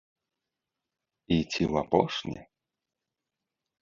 І ці ў апошні?